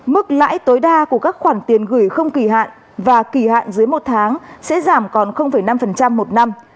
mức lãi tối đa của các khoản tiền gửi không kỳ hạn và kỳ hạn dưới một tháng sẽ giảm còn năm một năm